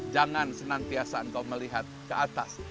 jangan senantiasa engkau melihat ke atas